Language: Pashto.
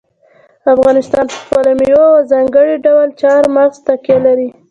افغانستان په خپلو مېوو او په ځانګړي ډول چار مغز تکیه لري.